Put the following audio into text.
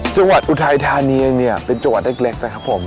จังหวัดอุทายทานียังเนี่ยเป็นจังหวัดเล็กนะครับผม